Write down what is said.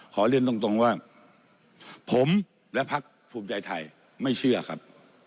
ขอเรียนตรงว่าผมและพักภูมิใจไทยไม่เชื่อครับ